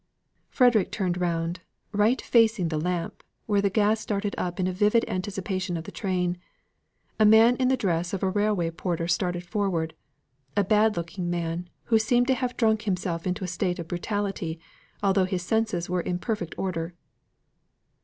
Frederick turned round, right facing the lamp, where the gas darted up in vivid anticipation of the train. A man in the dress of a railway porter started forward; a bad looking man, who seemed to have drunk himself into a state of brutality, although his senses were in perfect order.